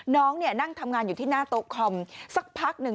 น้องเนี่ยนั่งทำงานอยู่ที่หน้าโต๊ะคอมสักพักหนึ่ง